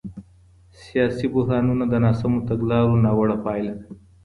سياسي بحرانونه د ناسمو تګلارو ناوړه پايله ده.